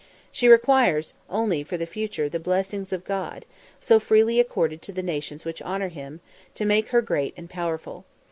She requires only for the future the blessing of God, so freely accorded to the nations which honour Him, to make her great and powerful.